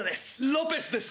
ロペスです。